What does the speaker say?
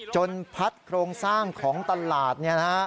จนพัดโครงสร้างของตลาดเนี่ยฮะ